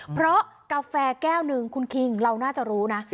เพราะกาแฟแก้วหนึ่งคุณคิงเราน่าจะรู้นะ